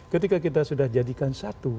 ketika kita sudah jadikan satu